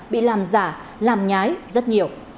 bị làm giả làm nhái rất nhiều